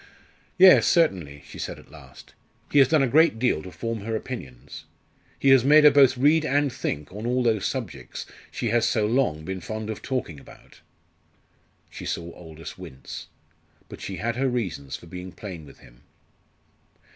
"Yes, certainly," she said at last. "He has done a great deal to form her opinions. He has made her both read and think on all those subjects she has so long been fond of talking about." She saw Aldous wince; but she had her reasons for being plain with him.